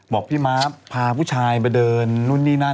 บอกพี่ม้าพาผู้ชายมาเดินนู่นนี่นั่น